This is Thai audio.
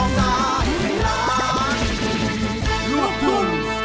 อยากรักสงสัยชีวิต